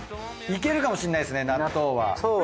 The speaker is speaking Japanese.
いけるかもしれないですね